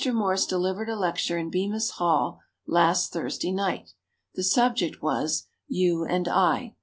Morse delivered a lecture in Bemis Hall last Thursday night. The subject was, "You and I."